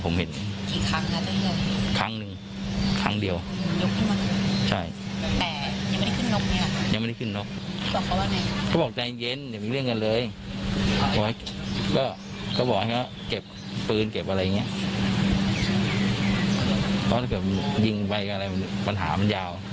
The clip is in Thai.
ไม่ใช่แบบพื้นเก็บอะไรอย่างนี้เพราะถ้าเกิดยิงไปปัญหามันยาว